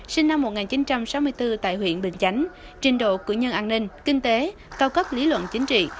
sinh năm một nghìn chín trăm sáu mươi bốn tại huyện bình chánh trình độ cử nhân an ninh kinh tế cao cấp lý luận chính trị